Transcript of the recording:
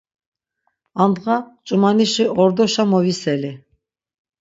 Andğa ç̌umanişi ordoşa moviseli.